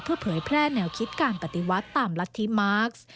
เพื่อเผยแพร่แนวคิดการปฏิวัติตามรัฐธิมาร์ค